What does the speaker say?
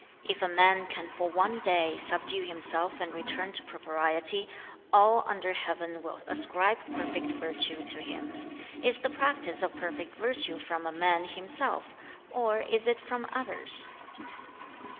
If a man can for one day subdue himself and return to propriety, all under heaven will ascribe perfect virtue to him. Is the practice of perfect virtue from a man himself, or is it from others?'